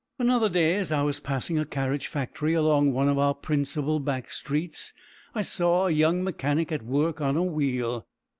Another day, as I was passing a carriage factory along one of our principal back streets, I saw a young mechanic at work on a wheel.